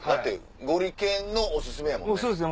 ゴリけんのおすすめやもんね？